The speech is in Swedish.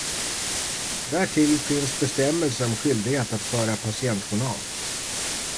Därtill finns bestämmelser om skyldighet att föra patientjournal.